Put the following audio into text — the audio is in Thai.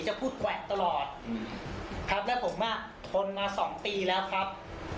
จะพูดแกวะตลอดครับแล้วผมอ่ะทนมาสองปีแล้วครับ